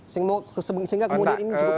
sehingga kemudian ini cukup